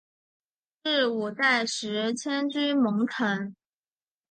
至五代时迁居蒙城。